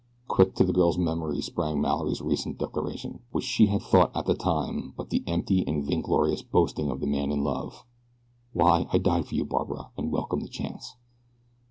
Quick to the girl's memory sprang Mallory's recent declaration, which she had thought at the time but the empty, and vainglorious boasting of the man in love "Why I'd die for you, Barbara, and welcome the chance!"